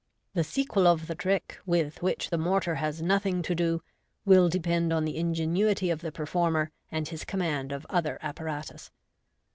The sequel of the trick, with which the mortar has nothing to do, will depend on the ingenuity of the performer and his command of other apparatus.